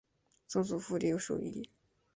曾祖父刘寿一。